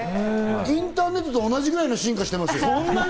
インターネットと同じくらいの進化してますよ。